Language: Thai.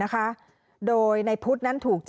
มึงอยากให้ผู้ห่างติดคุกหรอ